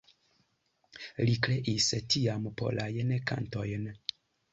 Li kreis tiam "Polajn Kantojn".